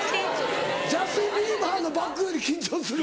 ジャスティン・ビーバーのバックより緊張する？